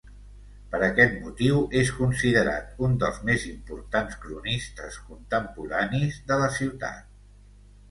Per aquest motiu és considerat un dels més importants cronistes contemporanis de la ciutat.